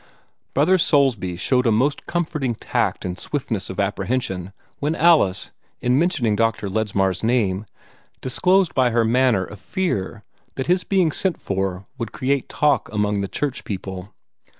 Brother Soulsby showed a most comforting tact and swiftness of apprehension when Alice, in mentioning Dr. Ledsmar's name, disclosed by her manner a fear that his being sent for would create talk among the church people.